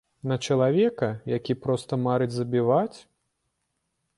На чалавека, які проста марыць забіваць?